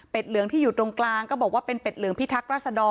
เหลืองที่อยู่ตรงกลางก็บอกว่าเป็นเป็ดเหลืองพิทักษรัศดร